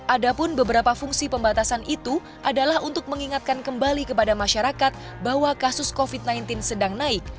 ada pun beberapa fungsi pembatasan itu adalah untuk mengingatkan kembali kepada masyarakat bahwa kasus covid sembilan belas sedang naik